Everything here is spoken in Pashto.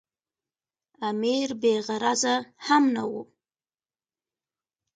امیر بې غرضه هم نه وو.